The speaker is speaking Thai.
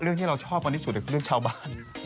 เรื่องที่เราชอบอันนี้สุดก็คือเรื่องชาวบ้าน